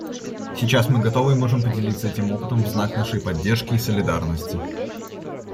Сейчас мы готовы и можем поделиться этим опытом в знак нашей поддержки и солидарности.